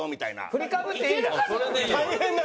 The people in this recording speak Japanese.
振りかぶっていいんだ。